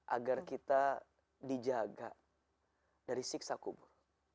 agar kita dijaga dari siksa kubur